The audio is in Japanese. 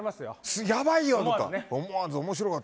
やばいよ！とか。